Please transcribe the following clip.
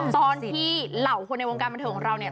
ตอนที่เหล่าคนในวงการบันเทิงของเราเนี่ย